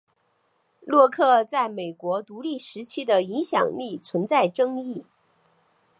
洛克在美国独立时期的影响力存在争议。